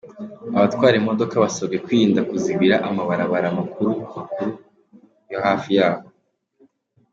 Abatwara imodokari basabwe kwirinda kuzibira amabarabara makuru makuru yo hafi yaho.